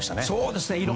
そうですね。